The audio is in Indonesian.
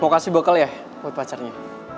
mau kasih bokle ya buat pacarnya